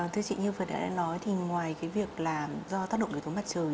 thưa chị như phật đã nói thì ngoài việc làm do tác động của thống mặt trời